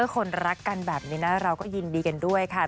คนรักกันแบบนี้นะเราก็ยินดีกันด้วยค่ะ